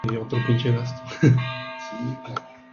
La familia Pearson logra escapar, pero Jack finalmente muere.